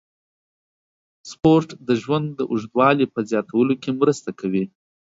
سپورت د ژوند د اوږدوالي په زیاتولو کې مرسته کوي.